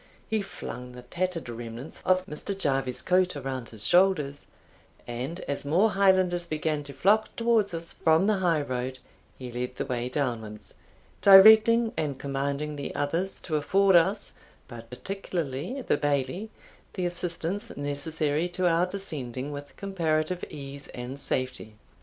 He flung the tattered remnants of Mr. Jarvie's coat around his shoulders, and as more Highlanders began to flock towards us from the high road, he led the way downwards, directing and commanding the others to afford us, but particularly the Bailie, the assistance necessary to our descending with comparative ease and safety.